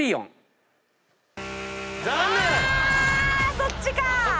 そっちか！